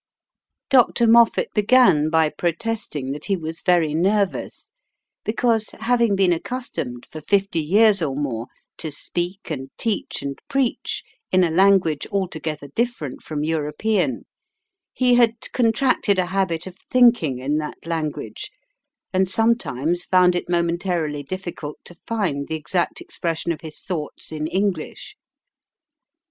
Dr. Moffat began by protesting that he was very nervous, because, having been accustomed for fifty years or more to speak and teach and preach in a language altogether different from European, he had contracted a habit of thinking in that language, and sometimes found it momentarily difficult to find the exact expression of his thoughts in English.